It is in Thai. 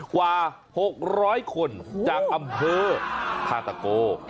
ใกล้๖๐๐ตั้งคนจากอำเพอร์ท่าตะโก